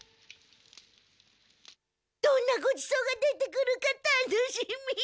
どんなごちそうが出てくるか楽しみ。